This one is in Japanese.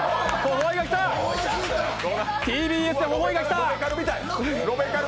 ＴＢＳでホホイが来た。